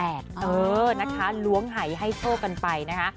เออนะคะล้วงหายให้โชคกันไปนะคะ